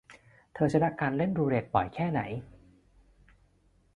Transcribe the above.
เธอชนะการเล่นรูเล็ต บ่อยแค่ไหน ?